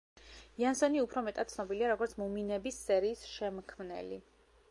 იანსონი უფრო მეტად ცნობილია, როგორც მუმინების სერიის შემქმნელი.